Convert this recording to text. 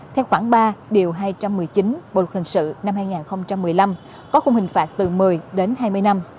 theo khoảng ba điều hai trăm một mươi chín bộ luật hình sự năm hai nghìn một mươi năm có khung hình phạt từ một mươi đến hai mươi năm